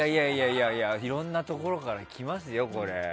いやいや、いろんなところから来ますよ、これ。